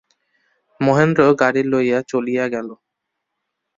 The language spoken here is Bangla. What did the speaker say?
মহেন্দ্র গাড়ি লইয়া চলিয়া গেল।